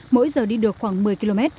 mỗi giờ đi được khoảng một mươi km